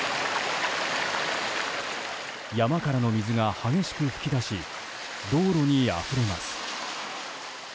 山からの水が激しく噴き出し道路にあふれます。